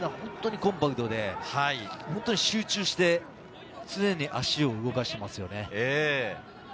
コンパクトに集中して、常に足を動かしていますよね。